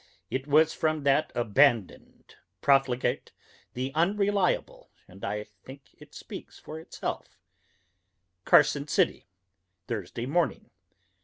It was from that abandoned profligate, the Unreliable, and I think it speaks for itself: CARSON CITY, Thursday Morning.